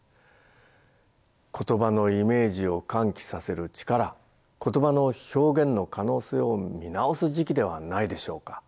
言葉のイメージを喚起させる力言葉の表現の可能性を見直す時期ではないでしょうか。